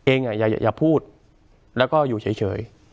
อย่าพูดแล้วก็อยู่เฉย